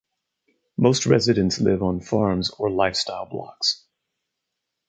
Most residents live on farms or lifestyle blocks.